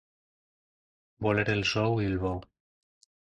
Voler el sou i el bou.